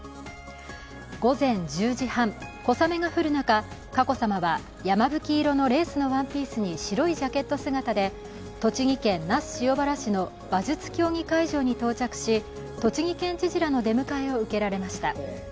午前１０時半、小雨が降る中、佳子さまはやまぶき色のレースのワンピースに白いジャケット姿で、栃木県那須塩原市の馬術競技会場に到着し、栃木県知事らの出迎えを受けられました。